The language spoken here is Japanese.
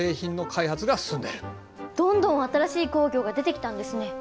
どんどん新しい工業が出てきたんですね。